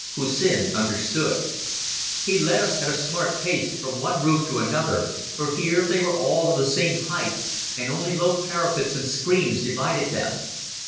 Hussin understood. He led us at a smart pace from one roof to another, for here they were all of the same height, and only low parapets and screens divided them.